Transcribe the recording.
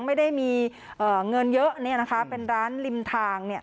ไม่ได้มีเงินเยอะเป็นร้านริมทาง